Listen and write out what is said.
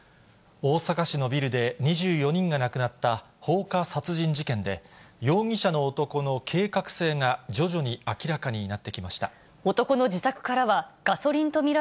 大阪市のビルで２４人が亡くなった放火殺人事件で、容疑者の男の計画性が、徐々に明らかになってきました。